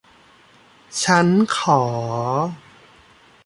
ชั้นขอ